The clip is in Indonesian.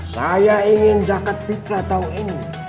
saya ingin zakat fitnah tahun ini